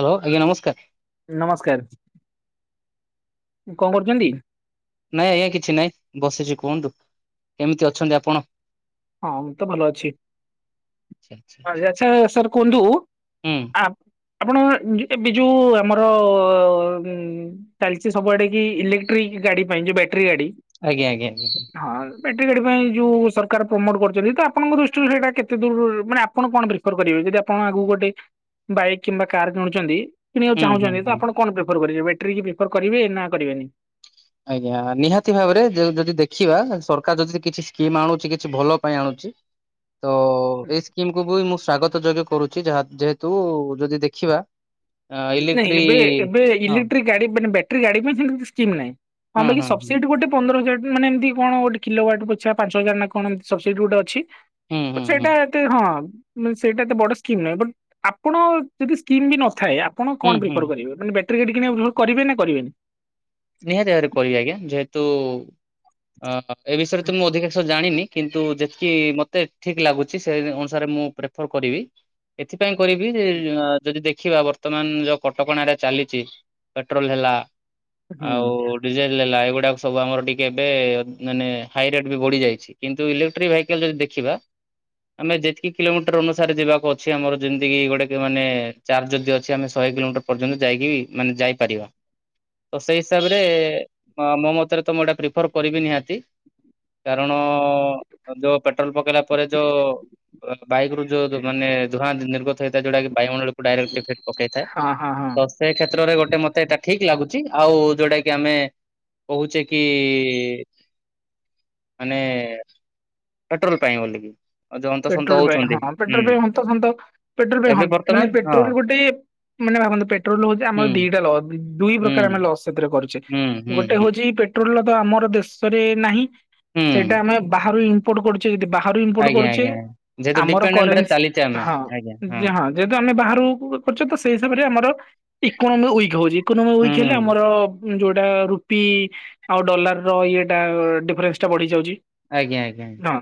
Hello ଆଜ୍ଞା ନମସ୍କାର। ନମସ୍କାର କଣ କରୁଛନ୍ତି? ନାଇଁ ଆଜ୍ଞା କିଛି ନାଇଁ ବସିଛି କୁହନ୍ତୁ କେମିତି ଅଛନ୍ତି ଆପଣ? ହଁ ମୁଁ ତ ଭଲ ଅଛି ଆଚ୍ଛା ଆଚ୍ଛା ଆଚ୍ଛା। ଅଛା ସାର୍ କୁହନ୍ତୁ ହୁଁ ଆପ ଆପଣ ଏବେ ଯେଉ ଆମର ଚାଲିଛି ସବୁଆଡ଼େ କି ଇଲେକ୍ଟ୍ରିକ୍ ଗାଡ଼ି ପାଇଁ ଯୋଉ ବେଟ୍ରୀ ଗାଡ଼ି ଆଜ୍ଞା ଆଜ୍ଞା ଆଜ୍ଞା ବେଟ୍ରି ଗାଡ଼ି ପାଇଁ ଯୋଉ ସରକାର ପ୍ରମୋଟ କରୁଛନ୍ତି ତ ଆପଣଙ୍କ ଦୃଷ୍ଟିରୁ ସେଇଟା କେତେ ଦୂର ମାନେ ଆପଣ କଣ ପ୍ରିଫର କରିବେ ଯଦି ଆପଣ ଆଗକୁ ଗୋଟେ ବାଇକ୍ କିମ୍ବା କାର କିଣୁଛନ୍ତି କିଣିବାକୁ ହୁଁ ହୁଁ ଚାହୁଁଛନ୍ତି ତ ହୁଁ। ଆପଣ କଣ ପ୍ରିଫର କରିବେ ବେଟ୍ରି କୁ ପ୍ରିଫର କରିବେ ନା କରିବେନି ଆଜ୍ଞା ନିହାତି ଭାବରେ ଜ ଯଦି ଦେଖିବା ସରକାର ଯଦି କିଛି ସ୍କିମ୍ ଆଣୁଛି କିଛି ଭଲ ପାଇଁ ଆଣୁଛି [inaudible] ତ ଏଇ ସ୍କିମକୁୁ ବି ମୁଁ ସ୍ଵାଗତ ଯୋଗ୍ୟ କରୁଛି ଯହା ଯେହେତୁ ଯଦି ଦେଖିବା ନାଇଁ ଇଲେକ୍ଟ୍ରି ଏବେ ଏବେ ହଁ ଇଲେକ୍ଟ୍ରିକ ଗାଡ଼ି ମାନେ ବ୍ୟାଟ୍ରି ରୀ ଗାଡ଼ି ପାଇଁ ସ୍କିମ୍ ନାହିଁ ହଁ ବା ସବସିଡି ଗୋଟେ ପନ୍ଦର ହଜାର ମାନେ ଏମିତି କଣ ଗୋଟେ କିଲୋହ୍ୱାଟ ପୋଚ୍ଛା ପାଞ୍ଚ ହଜାର ନା କଣ ସବସିଟି ଗୋଟେ ଅଛି। ହୁଁ ହୁଁ ହୁଁ ସେଇଟା ଏତେ ହଁ ସେଇଟା ଏତେ ବଡ଼ ସ୍କିମ୍ ନୁହେଁ ବଟ୍ ଆପଣ ଯଦି ସ୍କିମ୍ ବି ନଥାଏ ଆପ ଣ ହୁଁ କଣ ହୁଁ ପ୍ରିଫର କରିବେ ମାନେ ବ୍ୟାଟେରି କିଣିବା ପାଇଁ ଲୋନ କରିବେ ନା କରିବେନି ନିହାତି ଭାବରେ କରିବି ଆଜ୍ଞା ଯେହେତୁ ଅ ଏ ବିଷୟରେ ତ ମୁଁ ଅଧିକାଂଶ ଜାଣିନି କିନ୍ତୁ ଯେତିକି ମତେ ଠିକ୍ ଲାଗୁଛି ସେ ଅନୁସାରେ ମୁଁ ପ୍ରେଫର କରିବି ଏଥି ପାଇଁ କରିବି ଯେ ଯଦି ଦେଖି ଖିବା ବର୍ତ୍ତମାନ ଯୋଉ କଟକଣାରେ ଚାଲିଛି ପେଟ୍ରୋଲ ହେଲା ଆଉ ହୁଁ। ଡିଜେଲ୍ ଲାଏଗୁଡ଼ାକ ସବୁ ଆମର ଟିକେ ଏବେ ମାନେ ହାଇ ରେଟ୍ ବି ବଢ଼ି ଯାଇଛି କିନ୍ତୁ ଇଲେକ୍ଟ୍ରିକ ଭେହିକାଲ୍ ଯଦି ଦେଖିବା ଦେଖିବା। ଆମେ ଯେତିକି କିଲୋମିଟର ଅନୁସାରେ ଯିବାକୁ ଅଛି ଆମର ଯେମିତିକି ଗୋଟେ ମାନେ ଚାର୍ଜ ଯଦି ଅଛି ଆମେ ଶହେ କିଲୋମିଟର ପର୍ଯ୍ୟନ୍ତ ଯାଇକିବି ମାନେ ଯାଇପାରିବା ତ ସେଇ ହିସାବରେ ମୋ ମତରେ ତ ମୁଁ ଏଇଟା ପ୍ରିଫର କରିବି ନିହାତି। କାରଣ ଯୋଉ ପେଟ୍ରୋଲ ପକେଇଲା ପରେ ଯୋଉ ବାଇକରୁ ଯୋଉ ମାନେ ଧୂଆଁ ନିର୍ଗତ ହେଇଥାଏ ଯଉଟା କିି ବାୟୁମଣ୍ଡଳକୁ ଡାଇରେକ୍ଟ ଇଫେକ୍ଟ ପକେଇଥାଏ। ହଁ ହଁ ହଁ। ପ୍ରତେକ କ୍ଷେତ୍ରରେ ଗୋଟେ ମତେ ଏଇଟା ଠିକ୍ ଲାଗୁଛି ଆଉ ଯୋଉଟା କି ଆମେ କହୁଛେ କି ମାନେ ପେଟ୍ରୋଲ ପାଇଁ ବୋଲିକି। ଆଉ ଯୋଉ ଅନ୍ତସନ୍ତ ପେଟ୍ରୋଲ ପାଇଁ ହଉଛନ୍ତି ହଁ ହୁଁ ପେଟ୍ରୋଲ ପାଇଁ ହନ୍ତ ସନ୍ତ ପେଟ୍ରୋଲ ପାଇଁ ଏବେ ହନ୍ତ ମାନେ ବର୍ତ୍ତମାନ ହଁ ପେଟ୍ରୋଲ ଗୋଟେ ମାନେ ଭାବନ୍ତୁ ପେଟ୍ରୋଲ ହଉଛି ହୁଁ ଆମର ଦିଟା ଲସ୍ ଦୁଇ ହୁଁ ପ୍ରକାର ଆମେ ଲସ୍ ସେଥିରେ କରୁଛେ। ହୁଁ ହୁଁ ଗୋଟେ ହୁଁ ହଉଛି ପେଟ୍ରୋଲ ରତ ଆମର ଦେଶରେ ନାହିଁ ହୁଁ ସେଇଟା ଆମେ ବାହାରୁ ହିଁ ଇମ୍ପୋର୍ଟ କରୁଚି ଯଦି ବାହରୁ ମ୍ପୋର୍ଟ କରୁଚି। ଯେ ଆମର କରେନ୍ସ୍ ହଁ ହଁ ଯେହଁ ଯେହେତୁ ଆମେ ବାହାରୁକୁ କରୁଛେ ତ ସେଇ ହିସାବରେ ଆମର ଇକୋନୋମି ୱିକ୍ ହଉଛି ଇକୋନୋମି ୱିକ ହେଲେ ହୁଁ ଆମର ଯୋଉଟା ରୁପି ଆଉ ଡଲାର ର ଇଏଟା ଡିଫରେନ୍ସ ଟା ବଢି ଯାଉଛି। ଆଜ୍ଞା ଆଜ୍ଞା ହଁ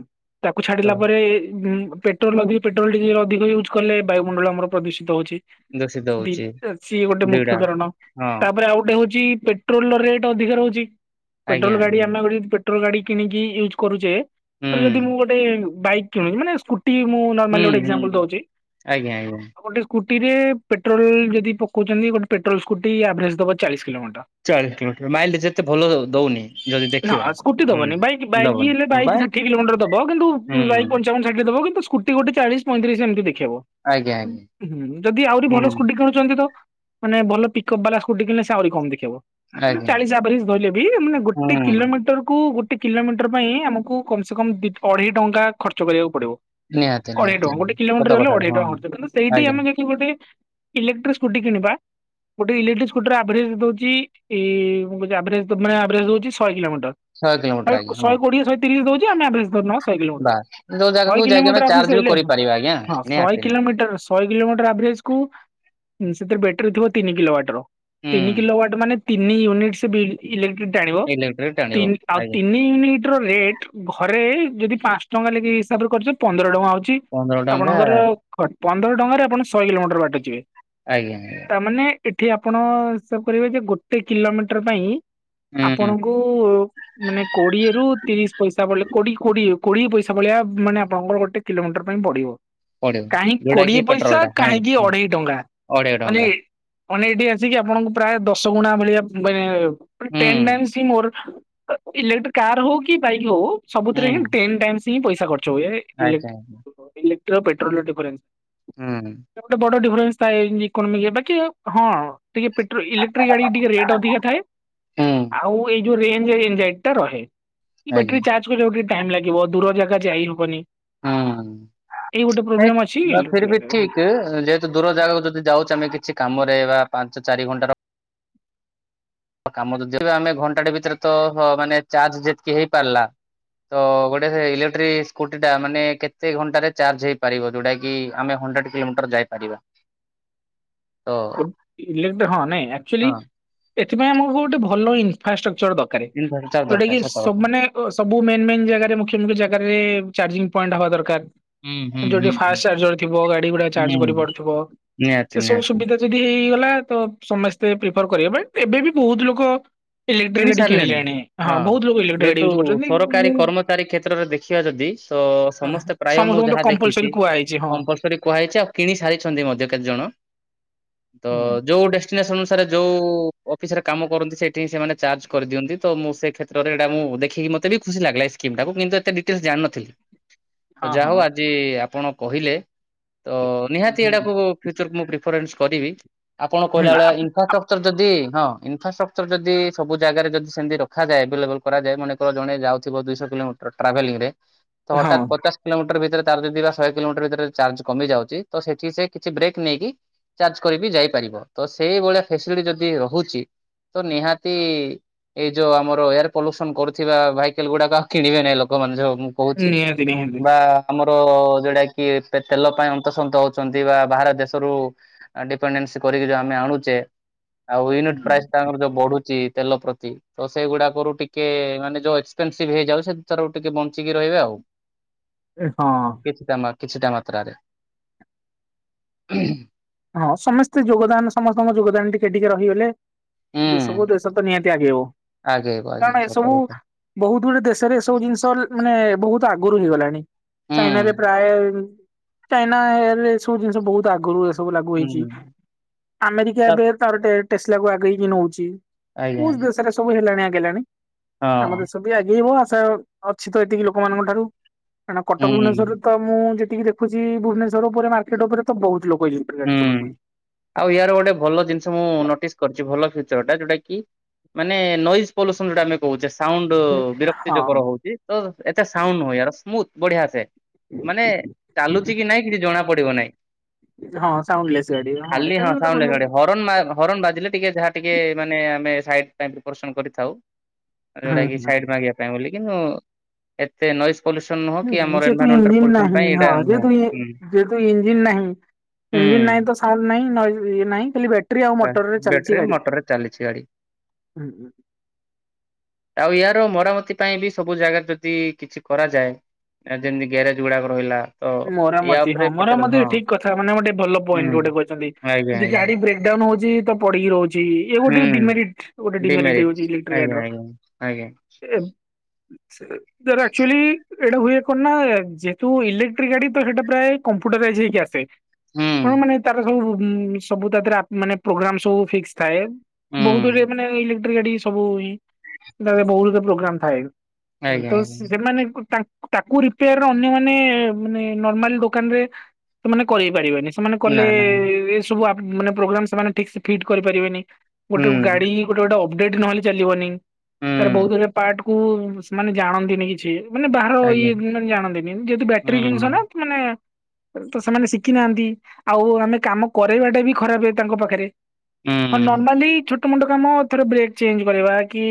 ତାକୁ ତ ଛାଡିଲା ପରେ ଉଁ ପେଟ୍ରୋଲ ତାବି ପେଟ୍ରୋଲ ଟିକେ ଅଧିକ ୟୁଜ୍ କଲେ ବାୟୁମଣ୍ଡଳ ଆମର ପ୍ରଦୂଷିତ ହଉଛି। ଦୂଷିତ ସ୍କୁଟି ହଉଛି ସିଏ ଗୋଟେ ମୁଖ୍ୟ ଦୁଇଟା କାରଣ ହଁ। ତାପରେ ଆଉ ଗୋଟେ ହଉ ଚି ପେଟ୍ରୋଲ ର ରେଟ୍ ଅଧିକ ରହୁଛି ଆଜ୍ଞା ପେଟ୍ରୋଲ ଗାଡି ଆଜ୍ଞା ଆମେ ପେଟ୍ରଲୋ ଗାଡି କିଣିକି ୟୁଜ କରୁଛେ ହୁଁ ତ ଯଦି ମୁଁ ଗୋଟେ ବାଇକ୍ କିଣି ମାନେ ସ୍କୁ ଟି ମୁଁ ଗୋଟୋ ନର୍ମାଲ ହୁଁ ଗୋଟେ ହୁଁ ଏକଜାପମ୍ପୂଲ୍ ହୁଁ ଦଉଛି ଆଜ୍ଞା ଆଜ୍ଞା ଗୋଟ ସ୍କୁ ଟିରେ ପେଟ୍ରୋଲ ଯଦି ପକୋଉଚନ୍ତି ଗୋଟେ ପେଟ୍ରୋଲ ସ୍କୁଟି ଆଭରେଜ ଦବ ଚାଳିଶ କିଲୋ ଚାଳିସ୍ କିଲୋମିଟର ମାଇଲେ ଯେତେ ଭଲ ଦଉନି ଯଦି ନା ଦେଖିବା ସ୍କୁଟି ହୁଁ ଦବନି ବାଇକ୍ ବାଇକ୍ ହେଲେ ଦବନି ବା ବାଇକ୍ ଷାଠିଏ କୋଲୋମିଟର ଦବ କିନ୍ତୁ ବାଇକ ପଞ୍ଚାବନ ଷାଠି ଦବ କିନ୍ତ ସ୍କୁଟି ଗୋଟେ ଚାଳିଶି ପଇତିରିଶି ଏମିତି ହେବ ଆଜ୍ଞା ଆଜ୍ଞା। ହୁଁ ହୁଁ ଯଦି ଆହୁରି ଭଲ ହୁଁ ସ୍କୁଟି କିଣୁଛନ୍ତି ତ ମାନେ ଭଲ ପିକଅପ୍ ବାଲା ସ୍କୁଟି କିିଣିଲେ ସେ ଆହୁରି କମ ଦେଖେଇବ। ଉନେ ଆଜ୍ଞା ଚାଳିଶ ଆଭରେଜ୍ ଧଇଲେ ବି ମାନେ ହୁଁ ଗୋଟେ କିଲୋମିଟର କୁ ଗୋ ଟେ କିଲୋମିଟର ପାଇଁ ଆମକୁ କମ ସେ କମ ଅଢ଼େଇ ଟଙ୍କା ଖର୍ଚ୍ଚ କରିବାକୁ ପଡିବ। ନିହାତି ଅଢେଇ ନିହାତି ଟଙ୍କା ଗୋଟେ ସତ କିଲୋମିଟର ହେଲେ କଥାଟା ଅଢେଇ ହଁ। ଟଙ୍କା ଖର୍ଚ୍ଚ କିନ୍ତୁ ସେଇଠି ଆଜ୍ଞା ଆମେ ଯଦି ଗୋଟେ ଇଲେକ୍ଟ୍ରି ସ୍କୁଟିି କିଣିିବା। ଗୋଟେ ଇଲେକ୍ଟ୍ରିକ ସ୍କୁଟିର ଆଭରେଜ ଦଉଛି ଇ ମୁକଉଚି ଆଭ ମାନେ ଆଭରେଜ ହଉଛି ଶହେ କିଲୋମିଟ ଟ କିଲୋମିଟର ଶହେ ଆଜ୍ଞା ହଁ ଶହେ କୋଡିଏ ଶହେ ତିରିଶ ଦଉଛି ଆମେ ଆଭରେଜ୍ ଧରନବା ଶହେ କିଲୋମିଟର। ବାସ୍ ଯୋଉ ଜାଗାକୁ ଶଇ ଯାଇକି ଆମେ କିଲୋମିଟର ଆଭରେଜ ଚାର୍ଜ ବି ଧଇଲେ କରିପାରିବା ଆଜ୍ଞା। ହଁ ଶହେ ନିହାତି କିଲୋମିଟର ଶହେ କିଲୋମିଟର ଆଭେରେଜ୍ କୁ ସେଥିରେ ବଟେରି ଥିବ ତିନି କିଲୋ ୱାଟର ହୁଁ ତିନି କିଲୋୱାଟ ମାନେ ତିନି ୟୁନିଟ୍ ସେ ବିଲ୍ ଇଲେ ଜ ଟାଣିବ ଇଲେକ୍ଟ୍ରିକ ଟାଣିବ ଆଉ ଆଜ୍ଞା ତିନି ୟୁନିଟ ର ରିଟେ ଘରେ ଯଦି ପାଞ୍ଚ ଟଙ୍କା ଲେଖି ହିସାବରେ କରିଚି ପନ୍ଦର ଟଙ୍କା ହଉଛି ପନ୍ଦର ଟଙ୍କା ଆପଣଙ୍କର ଖର୍ଚ୍ଚ ପନ୍ଦର ଟଙ୍କାରେ ଆପଣ ଶହେ କିଲୋମିଟର ବାଟ ଯିବେ। ଆଜ୍ଞା ଆଜ୍ଞା। ତାମାନେ ଏଠି ଆପଣ ହିସାବ୍ କରିବେ ଯେ ଗୋଟେ କିଲୋମିଟର ପାଇଁ ହୁଁ ଆପଣଙ୍କୁ ମାନେ କୋଡିଏ ରୁ ତିରିଶି ପଇସା ପଡିଲେ କୋଡି କୋଡିଏ କୋଡିଏ ପଇ ସେଇଭଳିଆ ମାନେ ଆପଣଙ୍କର ଗୋଟେଏ କିଲୋମିଟର ପାଇଁ ବଡ଼ିବ ପଡିବ କାହିଁ ଯୋଉଟା କୋଡିଏ କି ପେଟ୍ରୋଲ ପଇସା ଟା ହଁ କାହିଁକି ଅଢେଇ ଟଙ୍କା ଅଢେଇ ମାନେ ଟଙ୍କା ଅନେ ଏଠି ଆସିକି ଆପଣଙ୍କୁ ପ୍ରାୟ ଦଶ ଗୁଣା ଭଳିଆ ମୁଁ [unintelligible] ମାନେ ହୁଁ ଟେନ୍ ଟାଇମ୍ସି ହିଁ ମୋର ଇଲେକ୍ଟ୍ରି କାର ହଉ କି ବାଇକ ହଉ ସବୁଥିରେ ହୁଁ। ହଁ ଟେନ ଟାଇମ୍ସ୍ ପଇସା କ ଚୋଏ ଇଲେ ଆଜ୍ଞା [unintelligible] ଇଲେକ୍ଟ୍ରୀ ଓ ପେଟ୍ରୋଲର ଦିଫରେନ୍ସ। ହୁଁ [unintelligible] ଡିଫରେନ୍ସ ଥାଏ ଇକୋନୋମିକ୍ ରେ ବାକି ହଁ। ଟିକେ ପେଟ୍ରୋ ଇଲେକ୍ଟ୍ରି ଗାଡି ଟିକେ ରେଟ୍ ଅଧିକା ଥାଏ ହୁଁ ଆଉ ଏ ଯୋଉ ରେଞ୍ଜଏଜ ଟ ରହେ ଆଜ୍ଞା ବେଟ୍ରୀ ଚାର୍ଜ କରିବା ଟିକେ ଟାଇମ ଲାଗିବ ଦୂର ଜାଗା ଯାଇହବନି। ହଁ ହକ ଅଛି ନା ଇଲେକ୍ଟ୍ରି ଫିର ବି ଗାଡିର। ଠିକ ଯେହେତୁ ଦୂର ଜାଗା ଯଦି ଯାଉଛେ ଆମେ କିଛି କାମ ଏରା ପାଞ୍ଚ ଚାରି ଘଣ୍ଟା ର କାମ ଯଦି ଆମେ ଘଣ୍ଟାଟେ ଭିତରେ ତ ମାନେ ଚାର୍ଜ ଯେତିକି ହେଇପାରିଲା ତ ଗୋଟେ ସେ ଇଲେକ୍ଟ୍ରିକ ସ୍କୁଟି ଟା ମାନେ କେତେ ଘଣ୍ଟାରେ ଚାର୍ଜ ହେଇପାରିବ ଯୋଉଟା କି ଆମେ ହଣ୍ଡେଡ କିଲୋମିଟର ଯାଇପାରିବା। [inaudible] ତ ଇଲେକ୍ ହଁ ନାଇଁ ଆକଚୁଆଲି ହଁ ଏଥିପାଇଁ ଆମକୁ ଗୋଟେ ଭଲ ଇନଫ୍ରାଷ୍ଟ୍ରକ୍ ଦକାରେ ଇନଭଟର ଯୋଟେକି ଦରକାର ସତ କଥା ସବମାନେ ଅ ସବୁ ମେନ୍ ମେନ୍ ଜାଗାରେ ମୁଖ୍ୟ ମୁଖ୍ୟ ଜାଗାରେ ଚାର୍ଜିଙ୍ଗ ପଏଣ୍ଟ ହବା ଦରକାର ହୁଁ ହୁଁ ଗୋଟେ ହୁଁ ହୁଁ ଫାଷ୍ଟ ଚାର୍ଜର ଥିବ, ଗାଡି ଗୁଡା ଚାର୍ଜ ହୁଁ କରିପାରୁଥିବ ସେ ନିହାତି ସବୁ ନିହାତି ସୁବିଧା ଇଡି ହେଇଗଲା ତ ସମସ୍ତେ ପ୍ରିଫର କରିବେ, ଏବେ ବି ବହୁତ ଲୋକ ଇଲେକ୍ଟ୍ରିକ କିଣି ଗାଡି ସାରିଲେଣି, କିଣିଲେଣି ହଁ ବହୁତ ଲୋକ ଇଲେକ୍ଟ୍ରିକ ଗାଡି ଯେହେତୁ ୟୁଜ୍ କରୁଛନ୍ତି ସରକାରୀ ମୁଁ କର୍ମଚାରୀ କ୍ଷେତ୍ରରେ ଦେଖିବା ଯଦି ତ ସମସ୍ତେ ପ୍ରାୟ ମୁଁ ସମସ୍ତଙ୍କୁ ତ ଯାହା କମ୍ପଲସରୀ ଦେଖିଛି କୁହାଯାଇଛି ହଁ କମ୍ପଲସରି କୁହାଯାଇଛି ଆଉ କିଣି ସାରିଛନ୍ତି ମଧ୍ୟ କେ ଜଣ ତ ହୁଁ, ଯୋଉ ଡେଷ୍ଟିନେସନ ଅନୁସାରେ ଯୋଉ ଅଫିସ ରେ କାମ କରନ୍ତି ସେଇଠି ସେମାନେ ଚାର୍ଜ କରିଦିଅନ୍ତି ତ ମୁ ସେ କ୍ଷେତ୍ରରେ ଏଟା ମୁଁ ଦେଖିକି ମତେ ଖୁସି ବି ଲାଗିଲା ସ୍କିମ୍ ଟାକୁ କିନ୍ତୁ ଏତେ ଡିଟେଲ୍ସ ଜାଣିନଥିଲି। ତ ହଁ ଯାହା ହଉ ହଁ ଆଜି ଆପଣ କହିଲେ ତ ନିହାତି ଏଇଟାକୁ ହୁଁ ଫ୍ୟୁଚରକୁ ମୁଁ ପ୍ରିଫରେନ୍ସ କରିବି। ଆପଣ କହିଲା ଆ ଭେଳିଆ ଇନଫ୍ରାଷ୍ଟ୍ରକ୍ଚର ଯଦି ହଁ ଇନଫ୍ରାଷ୍ଟ୍ରକ୍ଚର ଯଦି ସବୁ ଜାଗାରେ ଯଦି ସେମିତି ରଖାଯାଏ, ଏଭେଲେବୁଲୁ କରାଯାଏ ମନେକ ଜଣ ଯାଉଥିବ ଦୁଇଶହ କିଲୋମିଟର ଟ୍ରାଭେଲିଙ୍ଗୀ ରେ ତ ହଁ ହଠାତ୍ ପଚାଶ କିଲୋମିଟର ଭି ଯଦି ବା ଶହେ କିଲୋମିଟର ଭିତରେ ଚାର୍ଜ କମି ଯାଉଛି ତ ସେଠି ସେ କିଛି ବ୍ରେକ୍ ନେଇକି ଚାର୍ଜ କରିବି ଯାଇପାରିବ, ତ ସେଇଭଳିଆ ଫେସିଲିଟି ଯଦି ରହୁଛି ତ ନିହା ତି ଏଇ ଯୋଉ ଆମର ଏୟାର ପଲ୍ୟୁସନ କରୁଥିବା ଭାଇକେଲ ଗୁଡ଼ାକ ଆଉ କିଣିବେ ନାହିଁ ଲୋକମାନେ ଯୋଉ ମୁଁ କହୁଛି ନିହାତି ନିହାତି। ବା ଆମ ଯଉଟା କି ତେଲ ପାଇଁ ଅନ୍ତସନ୍ତ ହଉଛନ୍ତି ବା ବାହାର ଦେଶରୁ ଡିପେନ ସ ଉ ଆମେ ଆଣୁଛେ, ଆଉ ୟୁନିଟି ପ୍ରାଇସି ତାଙ୍କର ଯଉ ବଢୁଛେ ତେଲ ପ୍ରତି ତ ସେଗୁଡାରୁ ଟିକେ ମାନେ ଯୋଉ ଏକ୍ସପେନସିଭ ହେଇଯାଉ, ସେ ଟିକେ ବଞ୍ଚିକି ରହିବା। ଯାଉ ହଁ କିଛିଟା ମାତ୍ରାରେ ହଁ ସମସ୍ତେ ଯୋଗଦାନ, ସମସ୍ତଙ୍କ ଯୋଗଦାନ ଟିକେ ଟିକେ ରହିଗଲେ। ଏ ହୁଁ ସବୁ ଦେଶ ତ ନିହାତି ଆଗେଇବ ଆଗେଇବ ଆଜ୍ଞା କାରଣ ସତ ଏସବୁ କଥା ବହୁତ ଗୁଡ଼େ ଦେଶରେ ଏ ସବୁ ଜିନିଷ ମାନେ ବହୁତ ଆଗରୁ ହେଇଗଲାଣି, ହୁଁ ଚାଇନାରେ ପ୍ରାୟେ - ଚାଇନା ଏ ରେ ସବୁ ଜିନିଷ ବହୁତ ଆଗରୁ ସବୁ ଲାଗୁ ହେଇଛି, ହୁଁ ଆମେରିକା ତା ଏବେ ତାର ଟେଷଲାକୁ ଆଗେଇକି ନଉଛି। ଆଜ୍ଞା ବହୁତୁ ଦେଶରେ ସବୁ ହେଲାଣି, ଆଗେଇଲାଣି, ଆମ ହଁ ଦେଶ ବି ଆଗେଇବ। ଅଛି ତ ଏତିକି ଲୋକମାନଙ୍କ ଠାରୁ କାରଣ କଟକ ହୁଁ ଭୁବନେଶ୍ୱରରେ ତ ମୁଁ ଯେ ଟିକେ ଦେଖୁଛି ଭୁବନେଶ୍ଵର ଉପରେ ମାର୍କେଟ ଉପରେ ବହୁତ ଲୋକ। ଇଲେକ୍ଟ୍ରିକ ହୁଁ ଗାଡି ଚଲଉଛନ୍ତି। ଆଉ ୟାର ଗୋଟେ ଭଲ ଜିନିଷ ମୁଁ ନୋଟିସ୍ କରିଛି ଭଲ ଫ୍ୟୁଚର ଯୋଉଟା କି ମାନେ ନଏଜ ପଲ୍ୟୁସନ ଯୋଟା ଆମେ କହୁଛେ। ସାଉଣ୍ଡ ବିରକ୍ତି ଯକର ହଉଛି, ତ ଏତେ ସାଉଣ୍ଡ ନୁଁ ସ୍ମୁଥ ବଢିଆ ସେ ମାନେ ଚାଲୁଛି କି ନାଇଁ କିଛି ଜଣା ପଡିବ ନାହିଁ। ହଁ ହଁ ସାଉଣ୍ଡଲେସ୍ ଗାଡି ଖାଲି ଏଇଟା ହଁ ବି ଗୋଟେ ଭଲ ସାଉଣ୍ଡ [inaudible] ହରଣ ମା ହରନ୍ ବାଜିଲେ ଟିକେ ଯାହା ଟିକେ ମାନେ ଆମେ ସାଇଟ ପାଇଁ ପ୍ରିପୋରେସନ କରିଥାଉ। ହୁଁ ଯଉଟା କି ହୁଁ ସାଇଡ ମାଗିବା ପାଇଁ ବୋଲିକି, ଏତେ ନଏଜ ପଲ୍ୟୁସନ ନୁହଁ କି ହୁଁ ଆମର ଯେ ତୁ ଏନଭାରମେଣ୍ଟାଲ ଇଂଜିନ ପଲ୍ୟୁସନ ପାଇଁ ନାହିଁ ଏଇଟା ହଁ ଯେ ନୁହଁ। ତୁ ହୁଁ ଯେ ତୁ ଇଜିଂନ ନାହିଁ। ଇଂଜିନ ନାହିଁ ତ ହୁଁ ସାଉଣ୍ଡ ନାହିଁ ନଏଜ ଇଏ ନାହିଁ। ଖାଲି ବ୍ୟାଟେରୀ ଆଉ ବେ ମଟରରେ ଚାଲିଛି ବେଟରୀ ଗାଡି। ମଟରରେ ଚାଲିଛି ଗାଡ଼ି। ଆଉ ୟାର ମରାମତି ପାଇଁ ବି ସବୁ ଜାଗାରେ ଯଦି କିଛି କରାଯାଏ। ଯେମିତି ଗ୍ୟାରେଜ ଗୁଡ଼ାକ ରହିଲା। ତ ୟା ମରାମତି ହଁ ଉପରେ ମରାମତି ପର୍ଟିକୁଲାର ହଁ ଠିକ କଥା ମାନେ ଗୋଟେ ଭଲ ପଏଣ୍ଟ ହୁଁ ଗୋଟେ କହିଛନ୍ତି। ଆଜ୍ଞା ଯଦି ଆଜ୍ଞା ଗାଡି ବ୍ରେକ ଡାଉନ ହଉ ତ ପଡିିକି ରହୁଛି। ଇଏ ଗୋଟେ ହୁଁ ଡିମେରିଟ ଗୋଟେ ଡିମେରିଟ ହଉଛି ଆଜ୍ଞା ଇଲେଟ୍ରିଗାଡ଼ିର। ଆଜ୍ଞା ଆଜ୍ଞା ଏ ଧର ଆକଚୁଆଲି ଏଇଟା ହୁଏ କଣ ନା ଯେହେତୁ ଇଲେଟ୍ରି ଗାଡ଼ିତ ସେଟା ପ୍ରାୟ କମ୍ପୁଟର ୱାଇଜି ହେଇକି ଆସେ। ହୁଁ ଆପଣ ମାନେ ତାର ସବୁ ତା ଦିହରେ ମାନେ ପ୍ରୋଗ୍ରାମ ସବୁ ଫିକ୍ସ ଥାଏ। ବହୁତ ଗୁଡ଼େ ହୁଁ ମାନେ ଇଲେଟ୍ରି ଟ୍ରି ଗାଡ଼ି ସବୁ [unintelligible] ପ୍ରୋଗ୍ରାମ ଥାଏ। ଆଜ୍ଞା ତ ଆଜ୍ଞା ସେମାନେ ତାଙ୍କ ତାକୁ ରିପେୟାର ଅନ୍ୟମାନେ ମାନେ ନର୍ମାଲ ଦୋକାନ ରେ ସେମାନେ କରେଇ ପାରିବେନି। ସେମାନେ କଲେ ନା ନା ଏ ସବୁ ମାନେ ପ୍ରୋଗ୍ରାମ ସେମାନେ ଠିକ ସେ ଫିଟ କରିପାରିବେନି। ହୁଁ ଗୋଟେ ଗାଡି ଗୋଟେ ଗୋଟେ ଅପଡେଟ ନହେଲେ ଚାଲିବନି। ତାର ହୁଁ ବହୁତ ଗୁରେ ପାର୍ଟ କୁ ସେମାନେ ଜାଣନ୍ତିନି କିଛି। ମାନେ ବାହାର ଆଜ୍ଞା ଇଏ ମାନେ ଜାଣନ୍ତିନି। ଯେହେତୁ ବ୍ୟାଟେରୀ ଜିନିଷ ହୁଁ ନା, ମାନେ ତ ସେମାନେ ଶିଖି ନାହାନ୍ତି। ଆଉ ଆମେ କାମ କରରେଇବାଟା ବି ଖରାପ ତାଙ୍କ ପାଖରେ। ହଁ, ହୁଁ ନର୍ମାଲୀ ଛୋଟ ଛୋଟ ମୋଟ କାମ ଥରେ ବ୍ରେକ୍ ଚେଞ୍ଜ କରିବା କି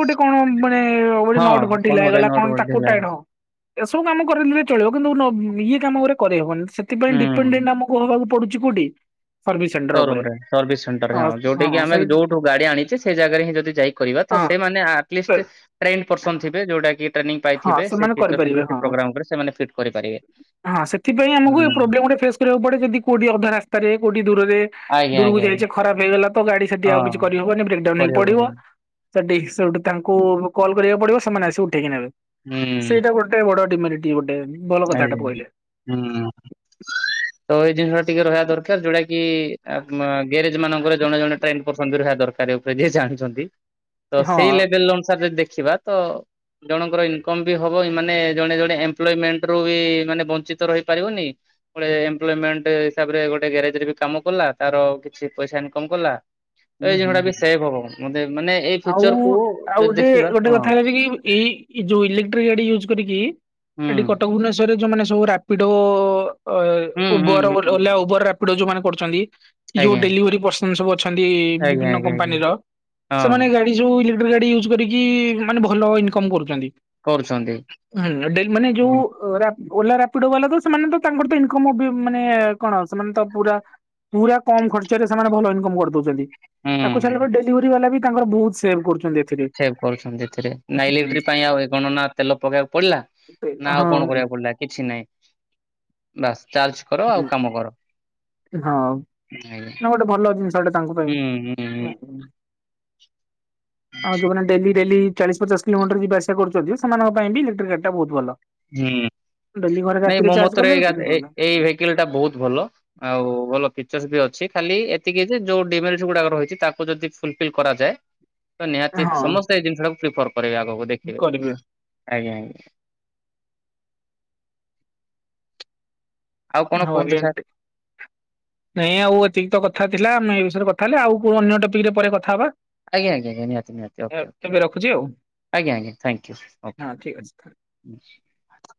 ଗୋଟେ କଣ ବା ମାନେ କୋଉଠି ହଁ ନଟ ଫଟ୍ କଣ ଢିଲା ଗୋଟେ ହେଇଗଲା ନୋଟ କଣ ତାକୁ ଥିଲା ଟାଇଟ ଏସବୁ କାମ କରେଇ ଦେଲେ ଚଳିବ। କିନ୍ତୁ ଇଏ କାମ ଗୁରା କରେଇ ହବନି। ସେଥିପାଇଁ ହୁଁ ଡିପେଣ୍ଡେଣ୍ଟ ଆମକୁ ହବାକୁ ପଡୁ। [unintelligible] ସୋ ରୁମ୍ ରେ ସର୍ଭିସ ସେଣ୍ଟରରେ ହଁ, ଯୋଉଟି ଆମେ ଯୋଉଠୁ ଗାଡି ଆଣିଚେ ସେଇ ଜାଗାରେ ହିଁ ଯଦି ଯାଇ କରିବା ତ ହଁ ସେ ମାନେ ଆଟଲିଷ୍ଟ୍ ସେ- ଟ୍ରେନ୍ ପର୍ସନ ଥିବେ, ଯୋଉଟା କି ଟ୍ରେନିଂ ହଁ ପାଇଥିବେ ସେ ସେମାନେ ଫିଚରସ୍ କରିପାରିବେ ଉପରେ ହଁ। ପ୍ରୋଗ୍ରାମରେ ସେମାନେ ଫିଟ୍ କରିପାରିବେ। ହଁ ସେଥିପାଇଁ ଆମକୁ ଏ ହୁଁ। ପ୍ରୋବ୍ଲେମ ଗୋଟେ ଫେସ୍ କରିବାକୁ ପଡେ ଯଦି କୋଉଠି ଅଧା ରାସ୍ତାରେ କଉଠି ଦୂରରେ ଆଜ୍ଞା ଦୂରକୁ ଆଜ୍ଞା ଆଜ୍ଞା ଯାଇଚେ ଖରାପ ହେଇଗଲା ତ ଗାଡି ସେଠି ଆଉ କିଛି ହଁ କରିହବନି ବ୍ରେକଡାଉନ ହେଇ ପଡିବ। କରିହବନି ସେଠି ସେଇଠୁ ତାଙ୍କୁ କଲ କରିବାକୁ ପଡିବ ସେମାନେ ଆସିି ଉଠେଇକି ନେବେ। ହୁଁ ସେଇଟା ଗୋଟେ ବଡ ଡିମିରିଟି। ଆଜ୍ଞା। ହୁଁ। ତ ଏଇ ଜିନିଷ ଟା ଟିକେ ରହିବା ଦରକାର ଯୋଉଟା କି ଆ ଗ୍ୟାରେଜ ମାନଙ୍କର ଜଣେ ଜଣେ ଟ୍ରେନ ପର୍ସନ ବି ରହିବା ଦରକାର ଉପରେ ଯିଏ ଜାଣିଛନ୍ତି। ତ ହଁ। ସେଇ ଲେଭଲ ଅନୁସାରେ ଯଦି ଦେ ଦେଖିବା ତ ଜଣଙ୍କର ଇନକମ୍ ବି ହବ ମାନେ ଜଣେ ଜଣେ ଏମ୍ପ୍ଲୋମେଣ୍ଟ ରୁ ବି ମାନେ ବଞ୍ଚିତ ରହିପାରିବନି। ଗୋଟେ ଏମ୍ପ୍ଲୋମେଣ୍ଟ ହିସାବରେ ଗୋଟେ ଗ୍ୟାରେଜରେ ବି କାମ କଲା। ତାର କିଛି ପଇସା ଇନକମ କଲା। ହୁଁ ଏଇ ହୁଁ [unintelligible] ବି ହୁଁ। ସେଭ ହବ। ମତେ ମାନେ ଏଇ ଆଉ ଫିଚରକୁୁ ଆଉ ଯଦି ଗୋଟେ ଦେଖିବା ଗୋଟେ ହଁ। କଥା ହେଲା ଯେ କି ଏଇ ଯୋଉ ଇଲେକ୍ଟ୍ରି ଗାଡି ୟୁଜ କରିକି ହୁଁ। ସେଠି କଟକ, ଭୁବନେଶ୍ୱରରେ ଯୋଉ ମାନେ ସବୁ ରାପିଡୋ ହୁଁ ହୁଁ ଉବର ହୁଁ ଓଲା ହୁଁ ଉବର ରାପିଡ ଯୋଉମାନେ କରୁଚନ୍ତି, ଯୋଉ ଆଜ୍ଞା ଡେଲିଭରି ପର୍ସନ ସବୁ ଅଛ ଆଜ୍ଞା ବିଭିନ୍ନ ଆଜ୍ଞା ଆଜ୍ଞା କମ୍ପାନୀର ସେମାନେ ହଁ ଗାଡି ସବୁ ଇଲେ ଗାଡି ୟୁଜ କରିକି ମାନେ ଭଲ ଇନକମ୍ କରୁଚନ୍ତି। କରୁଛନ୍ତି। ହୁଁ ଡେ ମାନେ ଯୋଉ ହୁଁ ରା ଓଲା ରାପିଡ ବାଲା ତ ସେମାନେ ତ ତାଙ୍କର ତ ଇନକମ ବି ମାନେ କଣ ସେମାନେ ତ ପୁରା ପୁରା କମ ଖର୍ଚ୍ଚରେ ସେମାନେ ଭଲ ଇନକମ କରିଦଉଛନ୍ତି। ତାକୁ ଛାଡ଼ିଲା ହୁଁ। ପରେ ଡେଲିଭରି ବାଲା ବି ତାଙ୍କର ବହୁତ ସେଭ୍ କରୁଚନ୍ତି। ସେଭ୍ କରୁଛନ୍ତି ଏଥିରେ ନା ଇଲେଟ୍ରି ପାଇଁ ଆଉ ଏ କଣନା ତେଲ ପକେଇବାକୁ ପଡିଲା ନା, ଆଉ ହଁ କଣ କରିବାକୁ ପଡିଲା। କିଛି ନାଇଁ ବାସ୍ ଚାର୍ଜ କର ଆଉ କାମ କର। ହଁ, ଆଜ୍ଞା। ନା ଗୋଟେ ଭଲ ଜିନିଷଟେ ତାଙ୍କ ହୁଁ ହୁଁ ହୁଁ ପାଇଁ। ଆଉ ଯୋଉମାନେ ଡେଲି ଡେଲି ଚାଳିଶ ପଚାଶ କିଲୋମିଟର ଯିବା ଆସିବା କରୁଛନ୍ତି, ସେମାନଙ୍କ ପାଇଁ ବି ଇଲେକ୍ଟ୍ରିକ ଗାଡିଟା ବହୁତ ଭଲ। ହୁଁ, ଡେଲି ଘରେ ନାଇଁ ରାତିରେ ମୋ ଚାର୍ଜ ମତରେ କଲେ ଦିନରେ ଏଇ ଗଲା। ଏଇ ଭେକଲ ଟା ବହୁତ ଭଲ। ଆଉ ଭଲ ଫିଚର୍ସ ବି ଅଛି ଖାଲି ଏତିକି ଯେ ଯୋଉ ଡିମେରିଟିସ୍ ଗୁଡା ରହିଛି ତାକୁ ଯଦି ଫୁଲଫିଲ୍ କରାଯାଏ ତ ନିହାତି ହଁ ସମସ୍ତେ ଏଇ ଜିନିଷ ଟାକୁ ପ୍ରିଫର କରିବେ ଆଗକୁ ଦେଖିବେ। କରିବେ। ଆଜ୍ଞା ଆଜ୍ଞା ଆଉ କଣ କୁହନ୍ତୁ ହରିଆଣ ସାର୍? ଟି ନାଇଁ ଆଉ ଏତିକି ତ କଥା ଥିଲା ଆମେ ଏ ବିଷୟରେ କଥା ହେଲେ ଆଉ କଉ ଅନ୍ୟ ଟପିକ ରେ ପରେ କଥାହେବା। ଆଜ୍ଞା! ଆଜ୍ଞା! ନିହାତି ନିହାତି ଓକେ ଓକେ ଆଜ୍ଞା! ରଖୁଛି ଆଉ ଆଜ୍ଞା! ଥ୍ୟାଙ୍କୟୁ ହଁ ଠିକ ଅଛି। ଓକେ।